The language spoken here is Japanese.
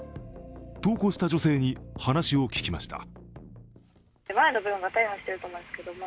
投稿した女性に話を聞きました。